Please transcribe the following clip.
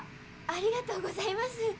ありがとうございます。